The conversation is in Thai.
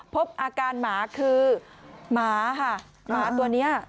พบอาการหมาคือหมาค่ะหมาตัวนี้